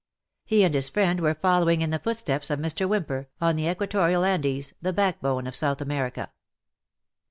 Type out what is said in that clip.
He and his friend were following in the footsteps of Mr. Wbymper, on the Equatorial Andes, the backbone of South America.